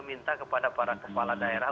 minta kepada para kepala daerah